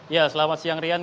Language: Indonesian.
ya selamat siang rian